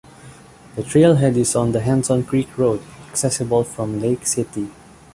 The trailhead is on the Henson Creek Road, accessible from Lake City.